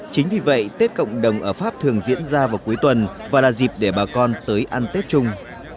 chính vì vậy tết cộng đồng ở pháp thường diễn ra vào cuối tuần và là dịp để bà con tới ăn tết chung